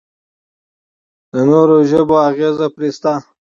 د نورو ژبو اغېز پرې شته.